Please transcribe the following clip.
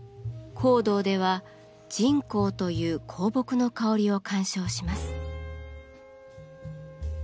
香道では沈香という香木の香りを鑑賞します。